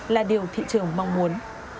là điều thị trường mong muốn